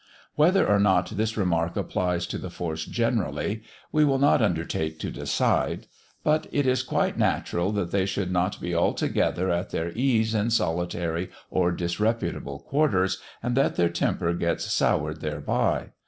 Whether or not this remark applies to the force generally, we will not undertake to decide. But it is quite natural that they should not be altogether at their ease in [Illustration: THE CAB DISPUTE. p. 56.] solitary or disreputable quarters, and that their temper gets soured thereby.